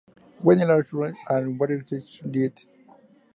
We live our lives, and we're ready to die!